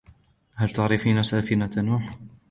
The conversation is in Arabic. هل تعرفين سفينة نوح؟